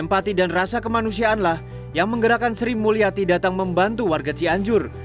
empati dan rasa kemanusiaanlah yang menggerakkan sri mulyati datang membantu warga cianjur